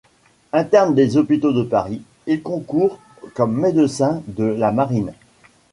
Interne des hôpitaux de Paris, il concourt comme médecin de la marine.